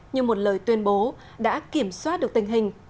như một lời tuyên bố đã kiểm soát được tình hình